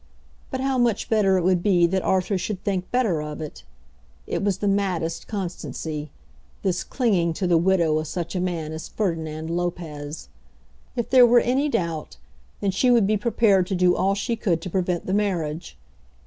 But how much better it would be that Arthur should think better of it! It was the maddest constancy, this clinging to the widow of such a man as Ferdinand Lopez! If there were any doubt, then she would be prepared to do all she could to prevent the marriage.